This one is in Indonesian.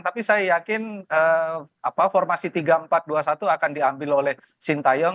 tapi saya yakin formasi tiga empat dua satu akan diambil oleh sintayong